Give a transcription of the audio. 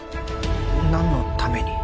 何のために？